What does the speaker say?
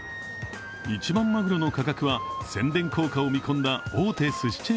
一番マグロの価格は宣伝効果を見込んだ大手すし